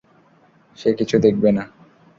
সে কিছু দেখবে না।